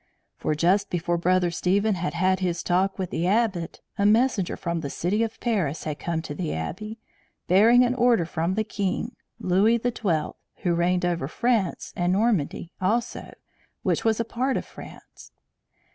For just before Brother Stephen had had his talk with the Abbot, a messenger from the city of Paris had come to the Abbey, bearing an order from the king, Louis XII., who reigned over France, and Normandy also, which was a part of France.